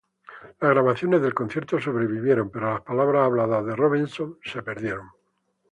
Las grabaciones del concierto sobrevivieron, pero las palabras habladas de Robeson se perdieron.